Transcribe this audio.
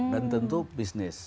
dan tentu bisnis